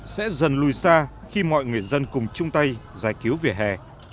sẽ dần lùi xa khi mọi người dân cùng chung tay giải cứu vỉa hè